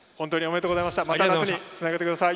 また次につなげてください。